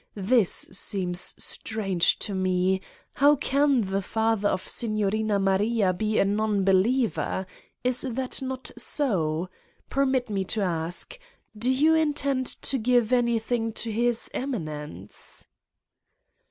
This seems strange to me: how can the father of Signorina Maria be a non believer? Is that not so ? Permit me to ask : do you intend to give anything to his Eminence!"